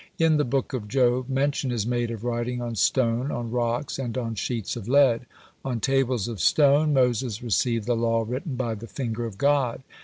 In the book of Job mention is made of writing on stone, on rocks, and on sheets of lead. On tables of stone Moses received the law written by the finger of God.